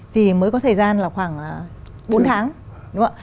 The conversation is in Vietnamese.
thì mới có thời gian là khoảng bốn tháng đúng không ạ